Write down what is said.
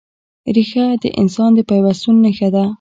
ریښه د انسان د پیوستون نښه ده.